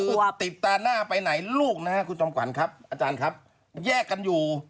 คือติดตาหน้าไปไหนลูกนะครับคุณจอมขวัญครับอาจารย์ครับแยกกันอยู่